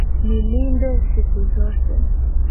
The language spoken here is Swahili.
Nilinde siku zote.